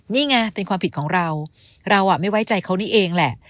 นี่ไงเป็นความผิดของเราเราไม่ไว้ใจเขานี่เองแหละ